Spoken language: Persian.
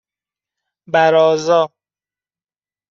بَرازا